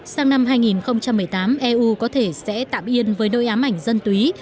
sang năm hai nghìn một mươi tám eu có thể sẽ tạm yên với đôi ám ảnh dân túy